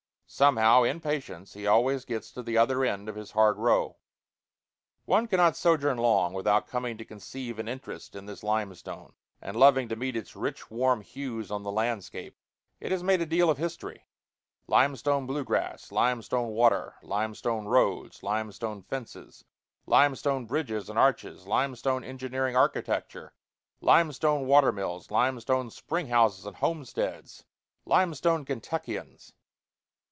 Somehow, in patience, he always gets to the other end of his hard row. One cannot sojourn long without coming to conceive an interest in this limestone, and loving to meet its rich warm hues on the landscape. It has made a deal of history: limestone blue grass, limestone water, limestone roads, limestone fences, limestone bridges and arches, limestone engineering architecture, limestone water mills, limestone spring houses and homesteads limestone Kentuckians!